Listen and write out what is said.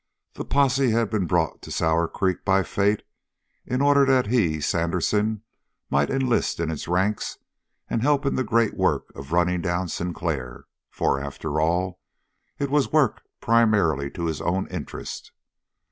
The posse had been brought to Sour Creek by fate in order that he, Sandersen, might enlist in its ranks and help in the great work of running down Sinclair, for, after all, it was work primarily to his own interest.